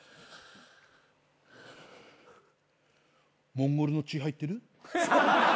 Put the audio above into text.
モンゴルの血入ってる？